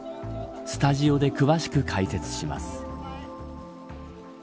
スタジオで詳しく解説します。